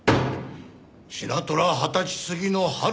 シナトラ二十歳過ぎの春の事。